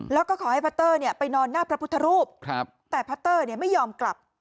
แล้วก็ขอให้พัตเตอร์ไปนอนหน้าพระพุทธรูปแต่พัตเตอร์ไม่ยอมกลับ